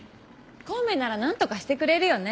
孔明なら何とかしてくれるよね